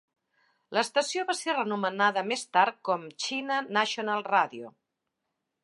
L'estació va ser renomenada més tard com China National Radio.